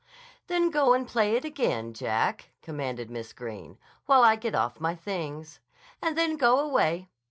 "Then go and play it again, Jack," commanded Miss Greene, "while I get off my things. And then go away.